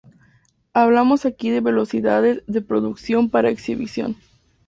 Hablamos aquí de velocidades de reproducción para exhibición.